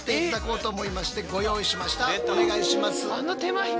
お願いします。